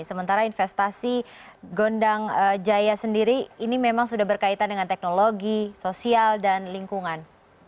sementara investasi gondang jaya sendiri ini memang sudah berkaitan dengan teknologi sosial dan lingkungan